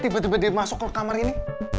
tiba tiba dimasuk ke kamar ini